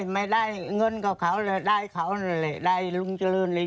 ไม่ได้เงินกับเขาเลยได้เขานั่นแหละได้ลุงเจริญเลย